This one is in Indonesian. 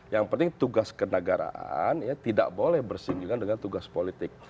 yang penting tugas kenegaraan tidak boleh bersinggungan dengan tugas politik